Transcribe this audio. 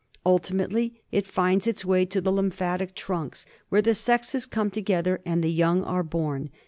, Ultimately it finds its way to the lymphatic trunks where FILARIASrS. , the sexes come together and the young are born.